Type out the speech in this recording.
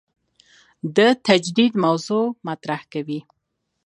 د تجدید موضوع مطرح کوي.